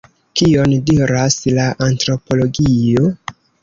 Kion diras la antropologio?